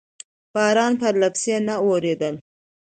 باران پرلپسې نه و اورېدلی.